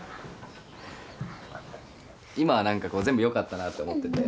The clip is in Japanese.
今は何かこう全部よかったなあと思ってて。